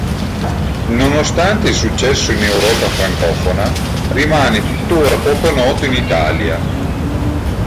Nonostante il successo in Europa francofona, rimane tuttora poco noto in Italia.